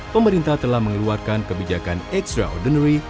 pemerintah telah mengeluarkan kebijakan extraordinary